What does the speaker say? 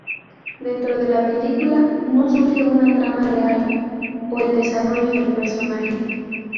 Dentro de la película, no surge una trama real o el desarrollo del personaje.